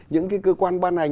những cái cơ quan ban hành